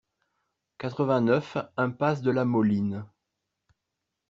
quatre-vingt-neuf impasse de la Moline